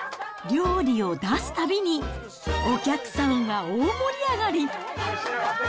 料理を出すたびに、お客さんは大盛り上がり。